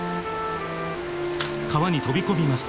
川に飛び込みました。